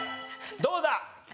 どうだ？